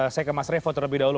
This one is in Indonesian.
saya ke mas revo terlebih dahulu